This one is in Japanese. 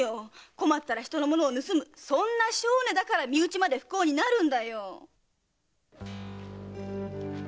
困ったら人の物を盗むそんな性根だから身内まで不幸になるんだよ！